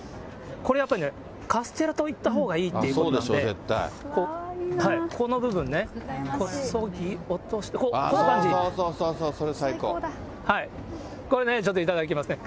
これ、やっぱりね、カステラといったほうがいいということなんで、この部分ね、こそそれ、これね、ちょっと頂きますね。